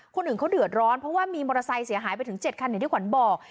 คนอื่นเขาเดือดร้อนเพราะว่ามีมอเตอร์ไซค์เสียหายไปถึง๗คันอย่างที่ขวัญบอก